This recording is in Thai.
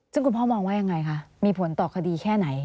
ซึ่งคุณพ่อมองว่ายังไงคะมีผลต่อคดีแค่ไหน